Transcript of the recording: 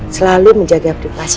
selalu menjaga privasi pasukan